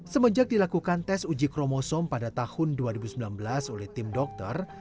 semenjak dilakukan tes uji kromosom pada tahun dua ribu sembilan belas oleh tim dokter